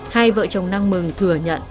hai vợ chồng năng mừng thừa nhận